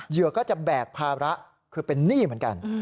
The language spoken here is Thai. เหยื่อก็จะแบกภาระคือเป็นหนี้เหมือนกัน